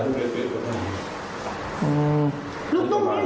ก็ได้แต่ลูกเรียกเต้าก็ได้